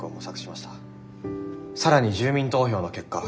更に住民投票の結果